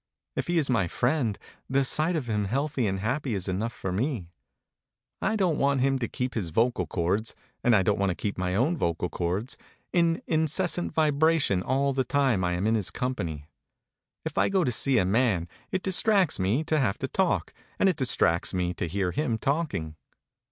If he is my friend, the sight of him healthy and happy is enough for me. I don't want him to keep his vocal cords, and I don't want to keep my own vocal cords, in incessant vibration all the time I am in his company. If I go to see a man, it distracts me to have to talk and it distracts me to hear him talking.